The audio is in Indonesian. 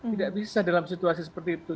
tidak bisa dalam situasi seperti itu